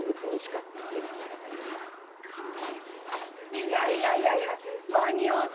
いやいやいやいや間に合うた！